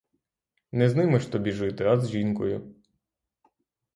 Не з ними ж тобі жити, а з жінкою.